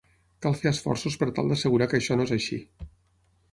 Cal fer esforços per tal d'assegurar que això no és així.